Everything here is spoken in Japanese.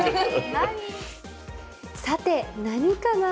さて何かな？